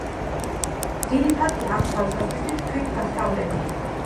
ძირითადია ამ თვალსაზრისით თვით დასავლეთი.